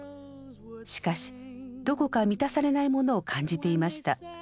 しかしどこか満たされないものを感じていました。